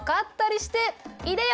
いでよ！